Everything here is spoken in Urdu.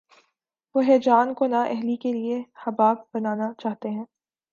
وہ ہیجان کو نا اہلی کے لیے حجاب بنانا چاہتے ہیں۔